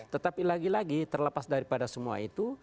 tetapi lagi lagi terlepas daripada semua itu